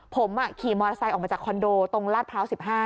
ผมขี่มอเตอร์ไซค์ออกมาจากคอนโดตรงลาดพร้าว๑๕